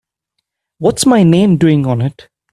What's my name doing on it?